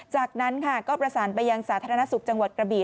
จากนั้นค่ะก็ประสานไปยังสาธารณสุขจังหวัดกระบี่